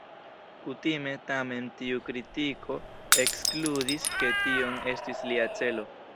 Kutime tamen tiu kritiko ekskludis ke tion estis lia celo.